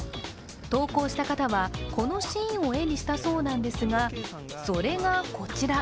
投稿した方はこのシーンを絵にしたそうなんですが、それがこちら。